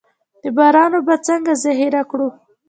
د باران اوبه څنګه ذخیره کړو؟